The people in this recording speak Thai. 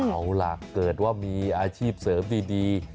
เอาล่ะเกิดว่ามีอาชีพเสริมดี